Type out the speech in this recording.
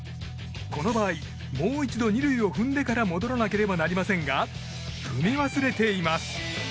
この場合もう一度２塁を踏んでから戻らなければいけませんが踏み忘れています。